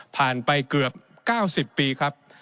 ผ่านไปเกือบ๙๐ปีครับ